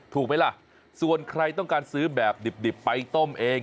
ถูกไหมล่ะส่วนใครต้องการซื้อแบบดิบไปต้มเอง